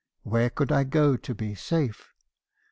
Where could I go to be safe?